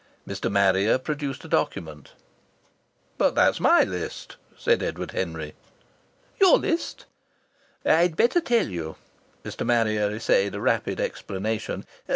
Mr. Marrier produced a document. "But that's my list!" said Edward Henry. "Your list?" "I'd better tell you." Mr. Marrier essayed a rapid explanation.